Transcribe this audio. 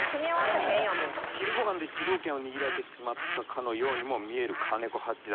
昼ごはんで主導権を握られてしまったかのようにも見える金子八段。